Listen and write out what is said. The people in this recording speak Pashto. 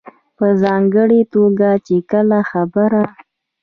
په ځانګړې توګه چې کله خبره